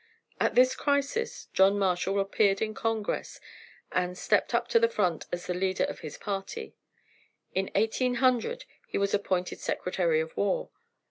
At this crisis John Marshall appeared in Congress and stepped to the front as the leader of his party. In 1800 he was appointed Secretary of War.